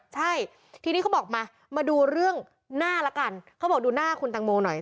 ใช่ทีนี้เขาบอกมามาดูเรื่องหน้าละกันเขาบอกดูหน้าคุณตังโมหน่อย